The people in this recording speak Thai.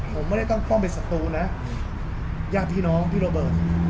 ผมไม่ได้ต้องป้องเป็นศัตรูนะญาติพี่น้องพี่โรเบิร์ต